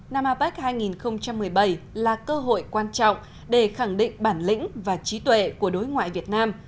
năm apec hai nghìn một mươi bảy là cơ hội quan trọng để khẳng định bản lĩnh và trí tuệ của đối ngoại việt nam